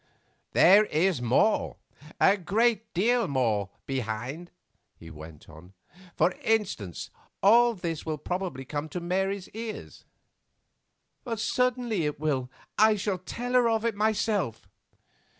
"There is more, a great deal more, behind," he went on. "For instance, all this will probably come to Mary's ears." "Certainly it will; I shall tell her of it myself."